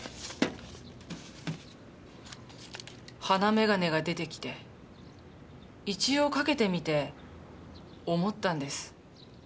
鼻メガネが出てきて一応かけてみて思ったんです。